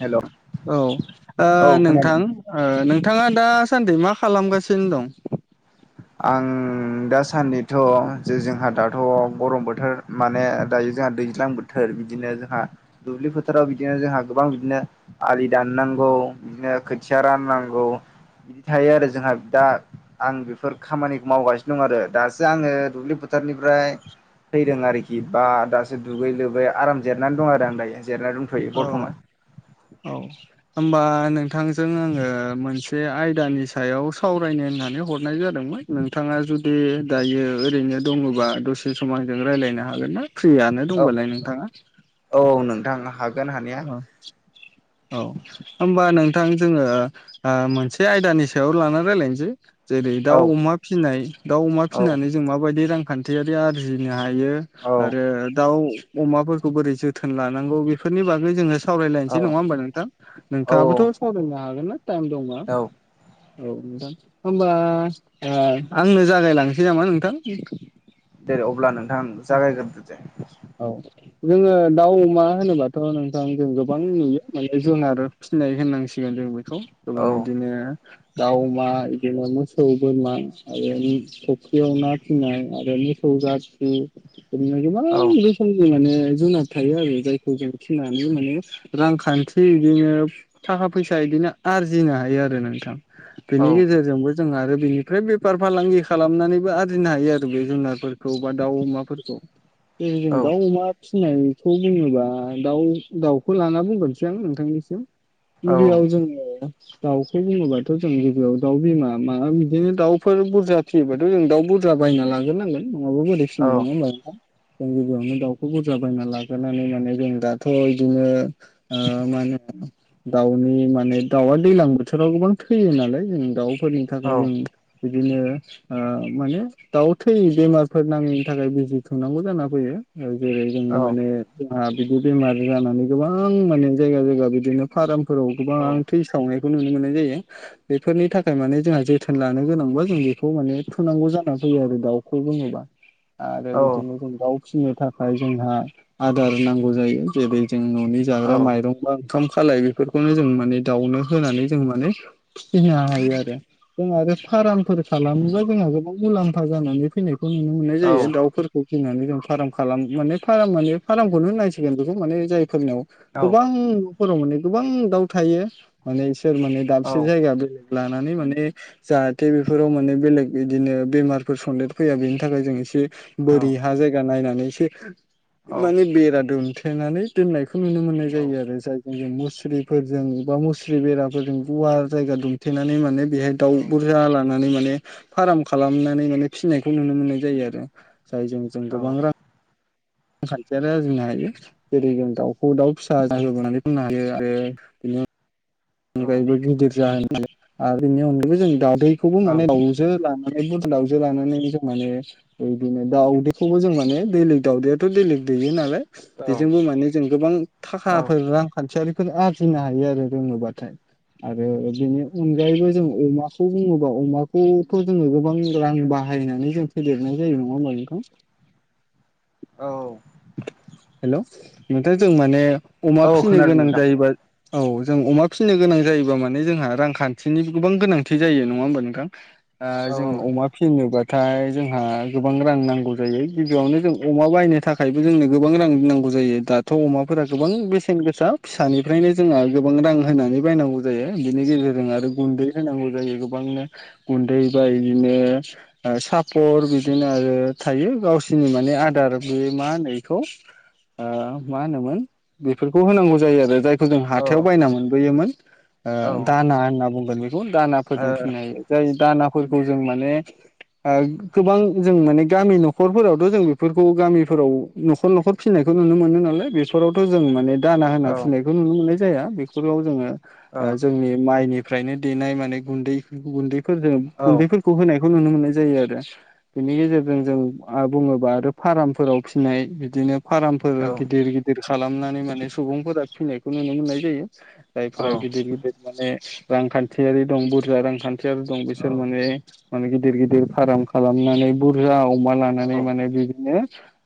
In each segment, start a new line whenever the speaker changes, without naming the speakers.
हेल'
औ ओ
औ खोनादों
नोंथां ओ नोंथाङा दा सान्दि मा खालामगासिनो दं?
आं दासान्दिथ' जे जोंहा दाथ' गरम बोथोर माने दा यो जा दैज्लां बोथोर। बिदिनो जोंहा दुब्लि फोथाराव बिदिनो जोंहा गोबां बिदिनो आलि दाननाय गौ, बिदिनो खोथिया राननांगौ बिदि थायो आरो जोंहा दा आं बेफोर फोर खामानिखौ मावगासिनो दं आरो दासो आङो दुब्लि फोथारनिफ्राय फैदों आरोखि बा दासो दुगै लोबै आराम जेरायनानै दं आरो आं दायो। जेरायना दंथ'यो
औ
बरथ'मान।
औ होमबा नोंथांजों आङो मोनसे आयदानि सायाव सावरायनो होननानै हरनाय जादों नोंथाङा जुदि दायो ओरैनो दङोबा दसे सम आंजों रायलायनो हागोन ना? फ्रियानो
औ
दंबालाय नोंथाङा?
औ नोंथां हागोन हानाया।
औ औ होमबा नोंथां जोङो ओ मोनसे आयदानि सायाव लानानै रायलायनोसै। जेरै
औ
दाउ, अमा फिनाय। दाउ, अमा
औ
फिनानै जों माबादि रांखान्थियारि आरजिनो नो हायो
औ
आरो दाउ अमाफोरखौ बोरै जोथोन लानांगौ बेफोरनि बागै जोङो सावरायलायनोसै
औ
नङा होमबा नोंथां?
औ
नोंथाङाबोथ' सावरायनो हागोन ना टाइम दंबा।
औ
औ नोंथां होमबा आंनो जागायलांसै नामा नोंथां?
दे अब्ला नोंथां जागायगोरदो दे।
औ जोङो दाउ अमा होनोबाथ' नोंथां जों गोबां नुयो माने जों आरो फिनाय होननांसिगोन जों बे खौ गोबां
औ
इदिनो दाउ, अमा इदिनो मोसौ, बोरमा आरो फख्रियाव ना फिनाय आरो मोसौ [unintelligible] ओरैनो गोबां
औ
रोखोमनि माने जुनाद थायो आरो जायखौ जों फिनानै माने रांखान्थि इदिनो थाखा फैसा बिदिनो आरजिनो हायो आरो नोंथां।
औ
बिनि गेजेरजोंबो जों आरो बेनिफ्राय बेफार फालांगि खालामनानैबो आरजिनो हायो आरो बे जुनारफोरखौ बा दाउ, अमा फोरखौ। जेरै जों
औ
दाउ, अमा फिनायखौ बुङोबा दाउ दाउखौ लाना बुंग्रोनोसै आं नोंथांनिसिम।
औ
गिबियाव जोंङो दाउखौ बुङोबाथ' जों गिबियाव दाउ बिमा माबा बिदिनो दाउफोर बुरजा फियोबाथ' जों दाउ बुर जा बायना लागोरनांगोन नङाबा बोरै
औ
फिनो नङा होमबा नोंथां। जों गिबियावनो दाउखौ बुरजा बायना लाग्रोनै माने जों दाथ' इदिनो औ माने दाउनि माने दाउआ दैलां बोथोराव गोबां थैयो नालाय जों दाउ फोरनि
औ
थाखाय जों बिदिनो ओ माने दाउ थैयि बेमारफोर नाङै थाखाय बिजि थुनांगौ जाना फैयो ओ जेरै जों
औ
माने जोंहा बिदि बेमार जानानै गोबां माने जायगा जायगा बिदिनो फारामफोराव
औ
गोबां थैसावनाय खौ नुनो मोननाय जायो। बेफोरनि थाखाय माने जोंहा जोथोन लानो गोनांबा जों बेखौ माने थुनांगौ जाना फैयो आरो दाउखौ बुङोबा। आरो
औ
बिदिनो जों दाउ फिसिनो थाखाय जोंहा आदार नांगौ जायो जेरै जों न'नि जाग्रा माइरं बा ओंखाम खालाय बेफोरखौनो जों माने दाउनो होनानै जों माने फिनो हायो आरो जों आरो फारामफोर खालामोबा जोंहा गोबां मुलाम्फा जानानै फैनाय खौ नुनो मोननाय जायो
औ
[unintelligible] जों फाराम खालाम माने फाराम माने फाराम खौनो होननांसिगोन बेखौ माने जाय फोरनाव गोबां न'फोराव माने गोबां दाउ थायो माने इ सोर माने दाबसे जायगा बेलेग लानानै माने जाहाथे बेफोराव माने बेलेग इदिनो बेमारफोर सन्देर फैया बेनि थाखाय जों एसे बोरि हा जायगा नायनानैसो माने बेरा दुमथेनानै दोननाय खौ नुनो मोननाय जायो आरो जाय जों मुस्रिफोरजों बा मुस्रि बेराफोरजों गुवार जायगा दुमथेनानै माने बेहाय दाउ बुरजा लानानै माने फाराम खालामनानै माने फिसिनायखौ नुनो मोननाय जायो आरो जायजों जों गोबां रां रांखान्थियारि आरजिनो हायो जेरै जों दाउखौ दाउ फिसा जाहोबोनानै बुंनो हायो आरो बिनो अनगायैबो गिदिर जाहोन [unintelligible] आरो बेनि अनगायबो जों दादैखौबो माने दाउजो लाना माने बुरजा दाउजो लानानै जों माने बिदिनो दाउदैखौबो जों माने बेलेग दाउदैआथ' बेले गं दैयो नालाय बेजोंबो माने जों गोबां
औ
थाखाफोर रांखान्थियारिफोर आरजिनो हायो आरो रोङोब्ला थाय आरो बेनि अनगायैबो जों अमाखौ बुङोबा अमाखौथ' जोंङो गोबां रां बाहाय बाहायनानै जों फेदेरनाय जायो नङा होमब्ला बेखौ
औ
हेल' नोंथां जों माने अमा
औ
फिनो
खोनादों
गोनां
नोंथां
जायोबा औ जों अमा फिसिनो गोनां जायोबा माने जोंहा रांखान्थिनि गोबां गोनांथि जायो नङा होमबा नोंथां
औ
जों अमा फिसिनोबा नाथाय जोंहा गोबां रां नांगौ जायो गिबियावनो जों अमा बायनो थाखायबो जोंनो गोबां रां नांगौ जायो दा थ' अमाफोरा
औ
गोबां बेसेन गोसा फिसानिफ्रायनो जोंहा गोबां रां होनानै बायनांगौ जायो बिदिनो गेजेरजों
औ
आरो गुन्दै होनांगौ। जायो गोबांनो गुन्दै बा बिदिनो सापर बिदिनो आरो थायो गावसोरनि माने आदार
औ
बेयो मा होनो खौ ओ मा होनोमोन बेफोरखौ होनांगौ जायो आरो जायखौ जों हाथायाव बायना मो यो मोन‌
औ
ओ दाना होनना बुंगोन‌ बेखौ दानाफोरजों फिनाय जाय दा फोरखौ जों माने उह गोबां जों माने गामि न'खरफोरावथ' जों बेफोरखौ गामिफोराव न'खर न'खर फिसिनायखौ नुनो मोनो नालाय बेफोरावथ' जों माने दाना होना फिसिनायखौ नुनो मोननाय जाया बेफोराव जोङो ओ जोंनि माइनि फ्रायनो देनाय माने गुन्दै गुन्दैफोरजों गुन्दैफोरखौ होनायखौ बेखौ नुनो मोननाय जायो आरो बेनि गेजेरजों जों बुङोबा आरो फारमफोराव फिसिनाय बिदिनो फार्मफोर गिदिर गिदिर खालामनानै माने सुबुंफोरा फिनायखौ नुनो मोननाय जायो जायफोरा गिदिर गिदिर माने रांखान्थियारि दं बुरजा रांखान्थि [unintelligible] दं बिसोर माने माने गिदिर गिदिर फार्म खालामनानै बुरजा अमा लानानै माने बिदिनो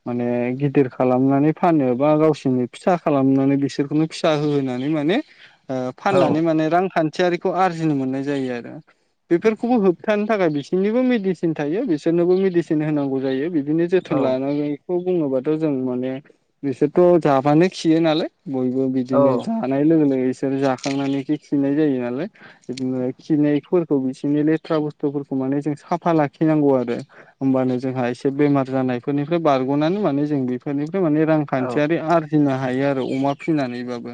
माने गिदिर खालामनानै फानो बा गावसोरनो फिसा खालामनानै बिसोरखौनो फिसा होहोनानै माने उह फाननानै माने रांखान्थियारिखौ आरजिनो मोननाय जायो आरो बेफोरखौबो होबथानो थाखाय बिसिनिबो मेडिसिन थायो बिसोरनोबो मेडिसिन होनांगौ जायो बिदिनो जोथोन लानानैखौ बुङोबाथ' जों माने बिसोरथ' जाबानो खियो नालाय। बयबो बिदिनो जानाय लोंनाय बिसोर जाखांनानै खिनाय जायो नालाय बिदिनो खिनायफोरखौ बिसिनि लेथ्रा बुस्थु फोरखौ माने जों साफा लाखिनांगौ आरो होनबानो जोंहा एसे बेमार जानायफोरनिफ्राय बारगनानै माने जों बेफोरनिफ्राय माने रांखान्थियारि आरजिनो हायो आरो अमा फिसिनानैबाबो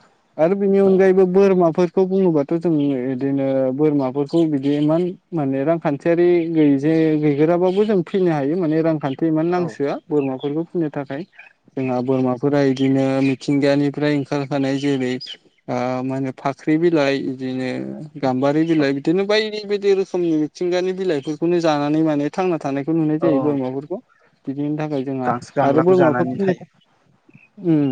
आरो बिनि अनगायैबो बोरमाफोर खौ बुङोबाथ' जों इदिनो बोरमाफोरखौ बिदि इमान माने रांखान्थियारि गैयै जे गैगोराबाबो जों फिनो हायो माने रांखान्थि
औ
इमान नांसोआ बोरमाफोरखौ फाननो थाखाय जोंहा बोरमाफोरा बिदिनो मिथिंगानिफ्राय ओंखारखानाय जेरै उह मा होनो फाख्रि बिलाइ बिदिनो गाम्बारि बिलाइ बिदिनो बायदि बायदि बायदि रोखोमनि मिथिंगानि बिलाइफोरखौनो जानानै माने थांना थानायखौ नुनाय
औ
जायो
औ
बोरमाफोरखौ बिनि थाखाय जोंहा
गांसो
आरो
गांलाखौ
बोरमाफोर
जानानै
फिनो था
थायो
उम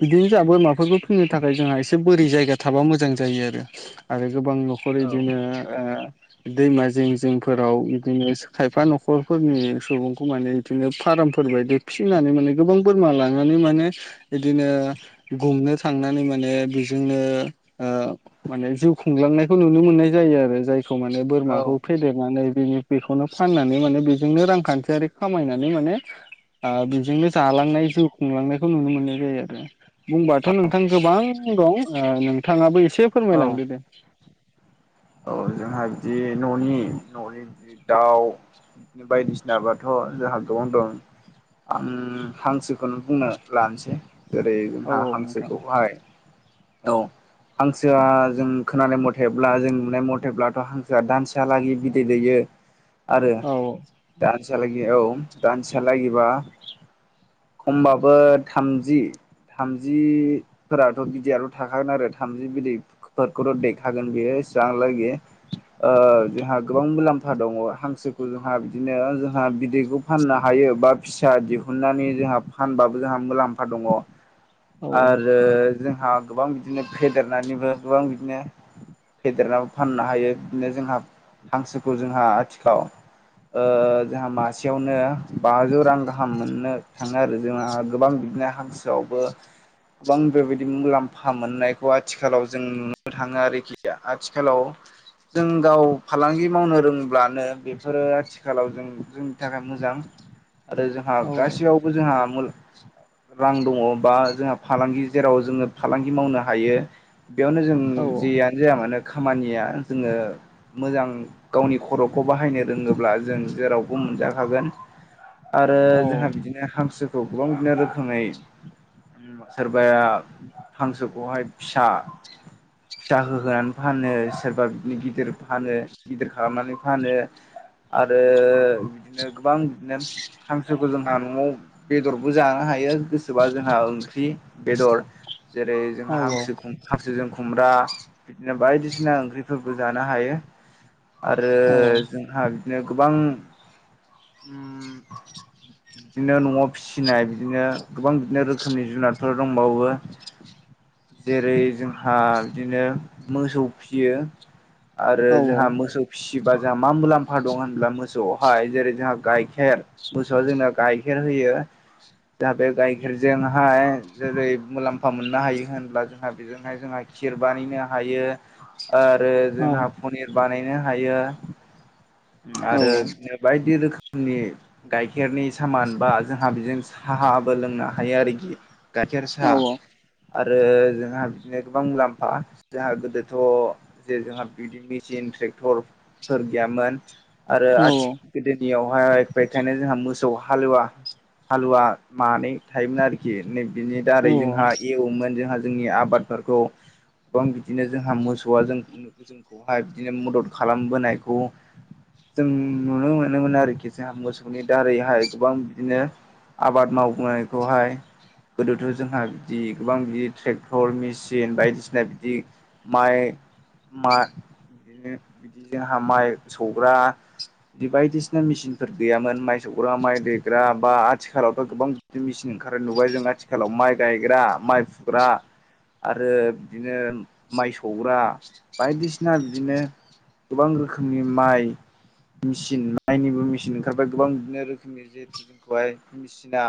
बिदिनो जोंहा बोरमाफोरखौ फैनो थाखाय जोंहा एसे बोरै जायगा थाबा मोजां जायो आरो गोबां न'खर बिदिनो
औ
उह दैमा जिं जिं फोराव बिदिनो खायफा न'खरफोरनि सुबुंखौ माने बिदिनो फार फार्रमफोर बायदि फिसिनानै माने गोबां बोरमा लानानै माने बिदिनो गुमनो थांनानै माने बेजोंनो उह माने जिउ खुंलां नुयनाखौ नुनो मोननाय जायो आरो जायखौ माने बोरमाखौ फेदेरनानै बिनि बेखौनो फाननानै माने बेजोंनो रांखान्थियारि खामायनानै माने ओ बेजोंनो जालांनाय जिउ खुंलांनायखौ नुनो मोनोदो बुंबाथ' नोंथां गोबां दं ओ नोंथाङाबो ए एसे
औ
फोरमायलांदो दे।
औ
[inaudible]
जोंहा बिदि न'नि न'नि दाउ बिदिनो बायदिसिनाबाथ' जोंहा गोनो दं आं हांसोखौनो बुंनो लानोसै। जेरै
औ
जोंहा
नोंथां
हांसोखौहाय औ हांसोआ जों खोनानाय मथायेब्ला जों नाय मथेब्लाथ' हांसोआ दानसेहा लागै बिदै दैयो आरो
औ
दान लागि औ दानसेया लागिबा खमबाबो थामजि थामजिफोराथ' बिदैयाथ' थाखागोन आरो थामजि बिदैफोरखौथ' दैखागोन बेयो [unintelligible] ओ जोंहा गोबां मुलाम्फा दङ हांसोखौ जोंहा बिदिनो जोंहा बिदैखौ फाननो हायो यो बा फिसा दिहुननानै जोंहा फानबाबो जोंहा मुलाम्फा दङ। आरो जोंहा गोबां बिदिनो फेदेरनानैबो गोबां बिदिनो फेदेरनानै फाननो हायो बिदिनो जोंहा हांसोखौ जोंहा आथिखालाव ओ जोंहा मासेयावनो बाजौ रां गाहाम मोननो थाङो आरो जोंहा गोबां बि बिदिनो हांसोआवबो गोबां बे बायदि मुलाम्फा मोननायखौ आथिखालाव जों नुनो थाङो आरोखि आथिखालाव जों गाव फालांगि मावनो रोंब्लानो बेफोरो आथिखालाव जों जोंनि थाखाय मोजां आरो जोंहा
औ
गासैयावबो जोंहा रां दङ बा जोंहा फालांगि जेराव जोङो फालांगि मावनो हायो। बेयावनो जों
औ
जियानो जाया मानो खामानिया जोङो मोजां गावनि खर'खौ बाहायनो रोङोब्ला जों जेरावबो मोनजाखागोन
[inaudible]
आरो
औ
जोंहा बिदिनो हांसोखौ गोबां बिदिनो रोखोमै सोरबाया हांसोखौहाय फिसा फिथाहो होनानै फानो सोरबा बिदिनो गिदिर फानो गिदिर खालामनानै फानो आरो बिदिनो गोबां बिदिनो हांसोखौ जोंहा न'आव बेदरबो जानो हा हायो गोसोबा जोंहा ओंख्रि बेदर जेरै
औ
जोंहा हांसो हांसोजों खुमब्रा। बिदिनो बायदिसिना ओंख्रिफोरबो जानो हायो आरो जोंहा। बिदिनो गोबां बिदिनो न'आव फिसिनाय बिदिनो गोबां बिदिनो रोखोमनि जुनारफोर दंबावो जेरै जोंहा बिदिनो मोसौ फिसियो आरो जोंहा मोसौ फि जोंहा मा मुलाम्फा दं होनब्ला मोसौआवहाय जेरै जोंहा गाइखेर मोसौआ जोंनो गाइखेर होयो। बेयो दा बे गाइखेरजोंहाय जेरै मुलाम्फा मोननो हायो होन होनब्ला जोंहा बेजोंहाय जोंहा खिर बानायनो हायो आरो जोंहा पनिर बानायनो हायो आरो बिदिनो बायदि रोखोम नि गाइखेरनि सामान बा जोंहा बेजों साहाबो लोंनो हायो आरोखि। गाइखेर साह आरो जोंहा बिदिनो गोबां मुलाम्फा जोंहा गोदोथ' जे जोंहा बिदि मेचीन टेकटर फोर गैयामोन आरो आथि गोदोनियाव बहाय बेखायनो जोंहा मोसौ हालुवा हालुवा मानै थायोमोन आरोखि नै बिनि दारै जोंहा एवोमोन जोंहा जोंनि आबादफोरखौ गोबां बिदिनो जोंहा मोसौआ जों जोंखौहाय बिदिनो मदद खालामबोनायखौ जों नुनो मोनोमोन आरोखि जोंहा मोसौनि दारैहाय गोबां बिदिनो। आबाद मावनायखौहाय गोदोथ' जोंहा बिदि गोबां बिदि ट्रेक्टर मेसिन बायदिसिना बिदि माइ मा बिदिनो बिदि जोंहा माइ सौग्रा दि बायदिसिना मेसिनफोर गैयामोन माइ सौग्रा माइ दैेग्रा बा आथिखालावथ' गोबां बि मेसिन ओंखार नुबाय जों आथिखालाव माइ गायग्रा माइ फुग्रा आरो बिदिनो माइ सौग्रा बायदिसिना बिदिनो गोबां रोखोमनि माइ मेचिन माइनिबो मेचिन ओंखारबाय गोबां बिदिनो रोखोमनि जिहेथु जोंखौहाय मेचना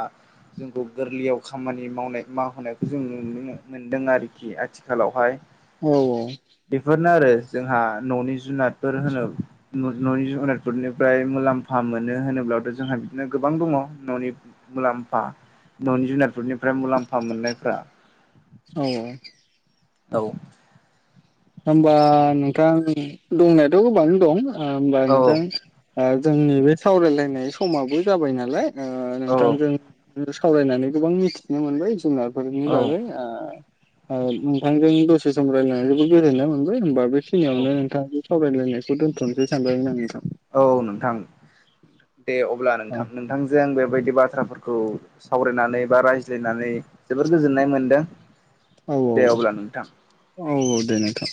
जोंखौ गोरलैयाव खामानि मावनाय माव होनाय जों नुनो मोनदों आरोखि आथिखालावहाय
औ औ
बेफोरनो आरो जोंहा न'नि जुनारफोर होनो न' न'नि जुनारफोरनिफ्राय मुलाम्फा मोनो। मानो होनोब्ला बे जोंहा बिदिनो गोबां दङ न'नि मुलाम्फा न'नि जुनारफोरनिफ्राय मुलाम्फा मोननायफ्रा
औ।
औ।
होमबा नोंथां दंनायाथ' गोबां दं होमबा
औ
नोंथां। जोंनि बे सावरायलायनाय समाबो जाबाय नालाय
औ
नोंथांजों सावरायनानै गोबां मिथिनो मोनबाय जुनारफोरनि
औ
बागै नोंथांजों दसे सम रायलायनानै जोबोद गोजोननाय मोनबाय होमबा
औ
बेखिनियावनो नोंथां। सावरायलायनायखौ दोनथ'नोसो सानबायमोन आं नोथां।
औ नोंथां दे अब्ला
औ
नोंथां नोंथांजों बेबायदि बिदि बाथ्राफोरखौ सावरायनानै बा रायज्लायनानै जोबोर गोजोननाय मोनदों
औ
दे अब्ला नोंथां
औ औ दे नोंथां।